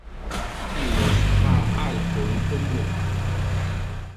Illes ha alco in commun.